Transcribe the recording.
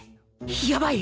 やばい！